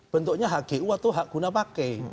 bentuknya hgu atau hak guna pakai